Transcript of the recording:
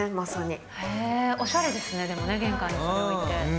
へえ、おしゃれですね、でも玄関にそれ置いて。